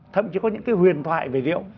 thậm chí có những huyền thoại về rượu